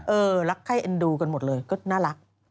รักไข้เอ็นดูกันหมดเลยก็น่ารัก